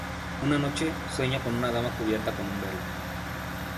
Una noche, sueña con una dama cubierta con un velo.